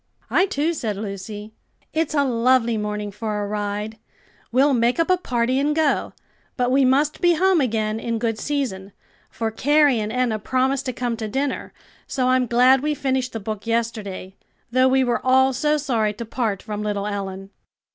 "I, too," said Lucy. "It's a lovely morning for a ride. We'll make up a party and go, but we must be home again in good season; for Carrie and Enna promised to come to dinner. So I'm glad we finished the book yesterday, though we were all so sorry to part from little Ellen."